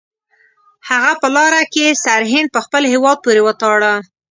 هغه په لاره کې سرهند په خپل هیواد پورې وتاړه.